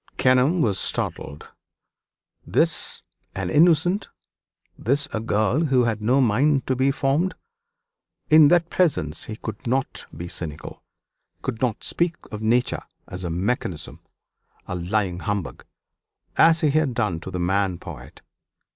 Kenelm was startled. This "an innocent!" this a girl who had no mind to be formed! In that presence he could not be cynical; could not speak of Nature as a mechanism, a lying humbug, as he had done to the man poet.